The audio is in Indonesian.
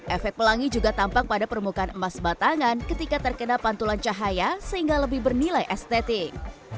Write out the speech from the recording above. efek pelangi juga tampak pada permukaan emas batangan ketika terkena pantulan cahaya sehingga lebih bernilai estetik